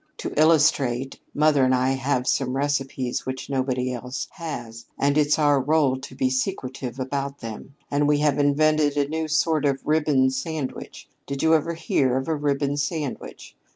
To illustrate, mother and I have some recipes which nobody else has and it's our rôle to be secretive about them! And we have invented a new sort of 'ribbon sandwich.' Did you ever hear of a ribbon sandwich?